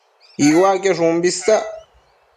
Iuaquiosh umbi isac